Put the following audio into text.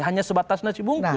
hanya sebatas nasi bungkus